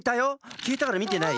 きえたからみてない？